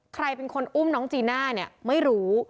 ใครเป็นคนอุ้มน้องจีน่าเนี่ยไม่รู้